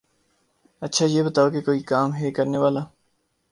اچھا یہ بتاؤ کے آج کوئی کام ہے کرنے والا؟